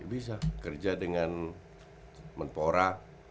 bisa kerja dengan mentora